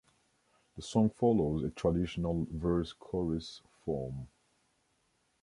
The song follows a traditional verse-chorus form.